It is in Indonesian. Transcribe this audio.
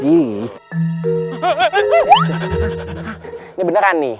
ini beneran nih